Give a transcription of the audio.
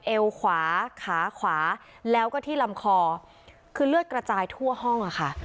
เอวขวาขาขวาแล้วก็ที่ลำคอคือเลือดกระจายทั่วห้องค่ะ